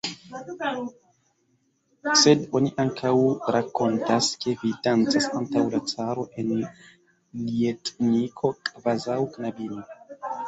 Sed oni ankaŭ rakontas, ke vi dancas antaŭ la caro en ljetniko kvazaŭ knabino!